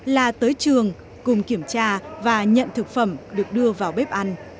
là tới trường cùng kiểm tra và nhận thực phẩm được đưa vào bếp ăn